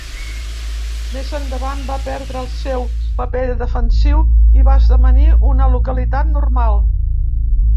Més endavant va perdre el seu paper defensiu i va esdevenir una localitat normal.